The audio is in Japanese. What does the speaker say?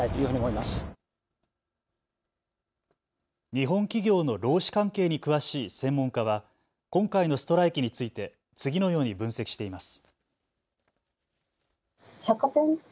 日本企業の労使関係に詳しい専門家は今回のストライキについて次のように分析しています。